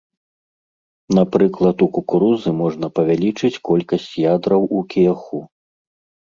Напрыклад, у кукурузы можна павялічыць колькасць ядраў у кіяху.